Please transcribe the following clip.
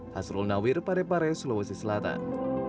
hasrul nawir parepare sulawesi selatan